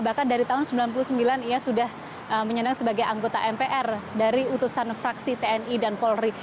bahkan dari tahun seribu sembilan ratus sembilan puluh sembilan ia sudah menyandang sebagai anggota mpr dari utusan fraksi tni dan polri